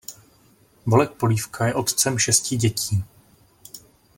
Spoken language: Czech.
Bolek Polívka je otcem šesti dětí.